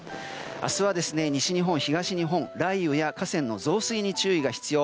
明日は、西日本、東日本雷雨や河川の増水に注意が必要。